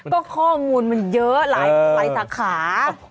ก็ข้อมูลมันเยอะหลายสาขา